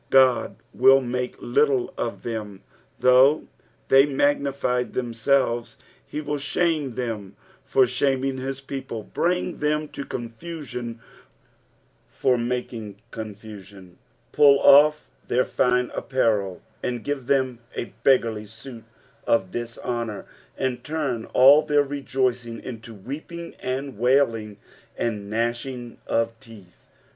God will make little of them, though they " magnified them idBa ;" he wilt shame them for shaming his people, bring them to confusion for making confusion, pull off their fine apparel and give them a beggarly suit of diijhonour, and turn all their rejoicing into weeping and wailing, and gnashing of teeth.